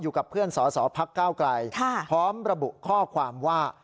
อยู่กับเพื่อนสสพักเก้าไกรพร้อมระบุข้อความว่า